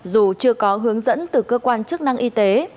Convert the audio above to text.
dù chưa có hướng dẫn từ cơ quan chức năng y tế